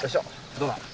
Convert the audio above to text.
どうだ？